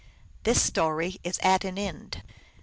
This story is at an end.